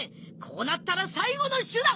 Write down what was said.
こうなったら最後の手段。